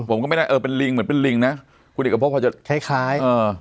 ผมก็ไม่ได้เออเป็นลิงเหมือนเป็นลิงนะคุณเอกพบพอจะคล้ายคล้ายเออ